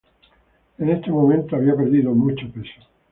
En este momento, había perdido mucho peso.